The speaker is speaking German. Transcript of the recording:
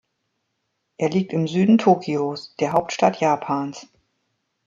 Er liegt im Süden Tokios, der Hauptstadt Japans.